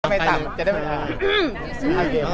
ไม่ต่ำจะได้ไม่ต่ำ